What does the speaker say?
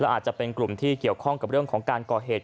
อาจจะเป็นกลุ่มที่เกี่ยวข้อของการก่อเหตุ